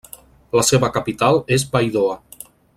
La seva capital es Baidoa.